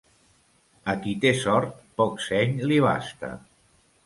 A qui té sort, poc seny li basta.